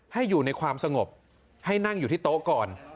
ให้อยู่ในความสงบให้นั่งอยู่ที่โต๊ะก่อน